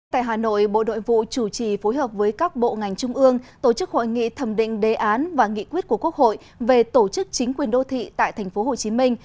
tại hà nội bộ đội vụ chủ trì phối hợp với các bộ ngành trung ương tổ chức hội nghị thẩm định đề án và nghị quyết của quốc hội về tổ chức chính quyền đô thị tại tp hcm